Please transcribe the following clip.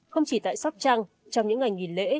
không chỉ tại sóc trăng trong những ngày nghỉ lễ